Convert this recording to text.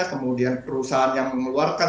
kemudian perusahaan yang mengeluarkan